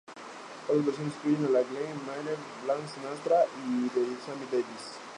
Otras versiones incluyen la de Glenn Miller, Frank Sinatra y de Sammy Davis Jr..